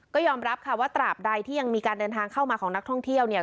ก็ยอมรับค่ะว่าตราบใดที่ยังมีการเดินทางเข้ามาของนักท่องเที่ยวเนี่ย